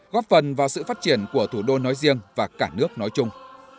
góp phần vào sự phát triển của thủ đô nói riêng và cả nước nói chung